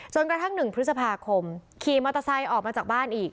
กระทั่ง๑พฤษภาคมขี่มอเตอร์ไซค์ออกมาจากบ้านอีก